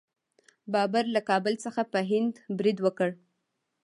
بابر له کابل څخه په هند برید وکړ.